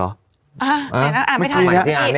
อ๊ะอ่อนไม่ทัน